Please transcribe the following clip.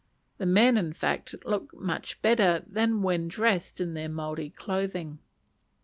The men in fact look much better than when dressed in their Maori clothing.